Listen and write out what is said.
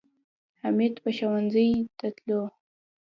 حمید به ښوونځي ته تلو